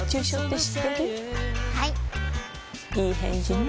いい返事ね